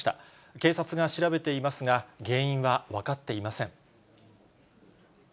警察が調べていますが、原因は分かっていません。